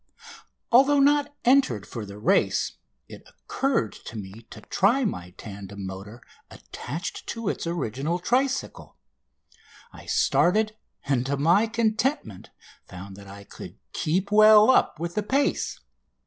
Although not entered for the race it occurred to me to try my tandem motor attached to its original tricycle. I started, and to my contentment found that I could keep well up with the pace.